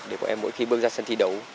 để bọn em mỗi khi bước ra sân thi đấu